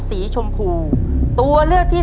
ต้นไม้ประจำจังหวัดระยองการครับ